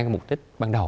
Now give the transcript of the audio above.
mục đích ban đầu